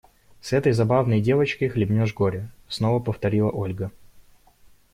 С этой забавной девочкой хлебнешь горя, – снова повторила Ольга.